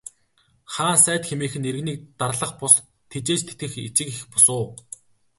Хаан сайд хэмээх нь иргэнийг дарлах бус, тэжээж тэтгэх эцэг эх бус уу.